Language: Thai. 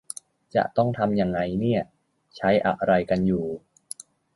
จะต้องทำยังไงเนี่ย ใช้อะไรกันอยู่